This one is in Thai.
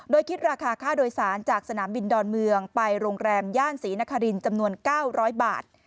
โดยคิดราคาค่าโดยสารจากสนามบินดอนเมืองไปโรงแรมย่านศรีนครินจำนวน๙๐๐บาท